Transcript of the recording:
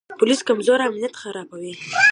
د پولیسو کمزوري امنیت خرابوي.